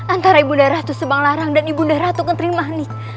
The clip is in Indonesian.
antara ibu daratu semanglarang dan ibu daratu ketrimani